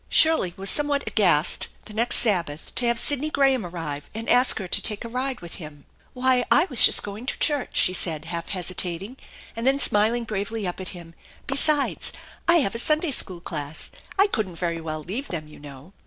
Shirley was somewhat aghast the next Sabbath to have Sidney Graham arrive and ask her to take a ride with him. "Why, I was just going to church," she said, half hesi tating, and then smiling bravely up at him ;" besides, I have a Sunday school class. I couldn't very well leave them, you know."